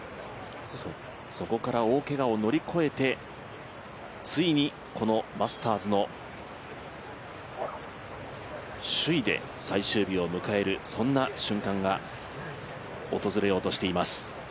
そこから大けがを乗り越えてついにこのマスターズの首位で最終日を迎えるそんな瞬間が訪れようとしています。